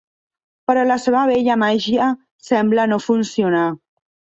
Però la seva vella màgia sembla no funcionar.